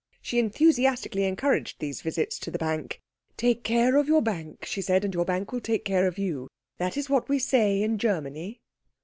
She enthusiastically encouraged these visits to the bank. "Take care of your bank," she said, "and your bank will take care of you. That is what we say in Germany."